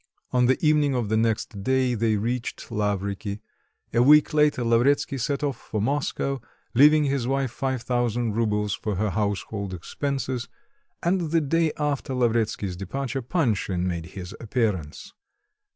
On the evening of the next day they reached Lavriky; a week later, Lavretsky set off for Moscow, leaving his wife five thousand roubles for her household expenses; and the day after Lavretsky's departure, Panshin made his appearance.